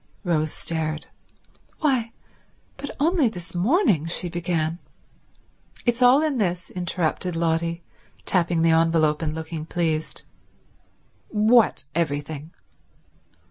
Rose stared. "Why, but only this morning—" she began. "It's all in this," interrupted Lotty, tapping the envelope and looking pleased. "What—everything?"